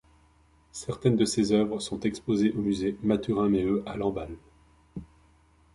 Certaines de ses œuvres sont exposées au musée Mathurin-Méheut à Lamballe.